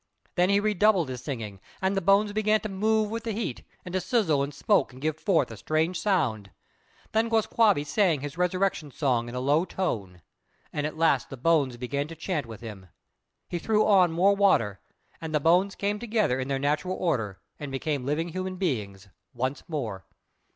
Then he redoubled his singing, and the bones began to move with the heat, and to sizzle and smoke and give forth a strange sound. Then Glūs kābé sang his resurrection song in a low tone; at last the bones began to chant with him; he threw on more water, and the bones came together in their natural order and became living human beings once more.